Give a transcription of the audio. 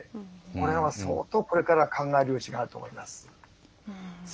これは相当これから考える余地があると思います。